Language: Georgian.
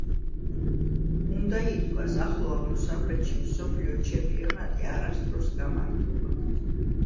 უნდა ითქვას, ახლო აღმოსავლეთში მსოფლიო ჩემპიონატი არასდროს გამართულა.